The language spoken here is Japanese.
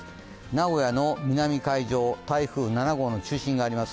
名古屋の南海上、台風７号の中心があります。